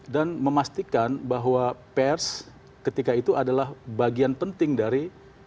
dan memastikan bahwa pers ketika itu adalah bagian penting dari